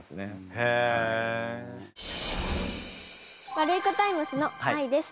ワルイコタイムスのあいです。